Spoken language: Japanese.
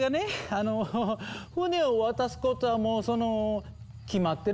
あの船を渡すことはもうその決まってることなのよ。